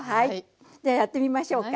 じゃあやってみましょうか。